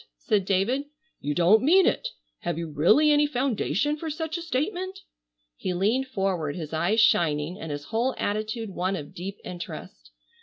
said David, "you don't mean it! Have you really any foundation for such a statement?" He leaned forward, his eyes shining and his whole attitude one of deep interest.